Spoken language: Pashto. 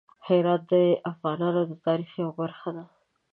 هرات د افغانانو د تاریخ یوه برخه ده.